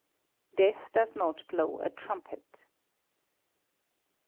[DEATH DOES NOT BLOW A TRUMPET.